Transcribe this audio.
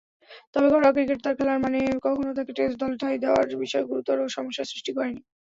তবে, ঘরোয়া ক্রিকেটে তার খেলার মানে কখনো তাকে টেস্ট দলে ঠাঁই দেয়ার বিষয়ে গুরুতর সমস্যার সৃষ্টি করেনি।